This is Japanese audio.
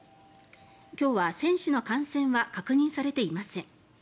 今日は選手の感染は確認されていません。